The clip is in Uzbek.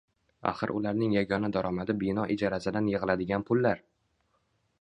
Axir ularning yagona daromadi bino ijarasidan yig`iladigan pullar